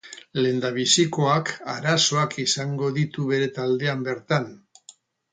Lehendabizikoak arazoak izango ditu bere taldean bertan.